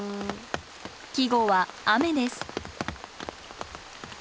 季語は「雨」です。